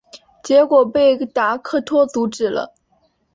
结果被达克托阻止了。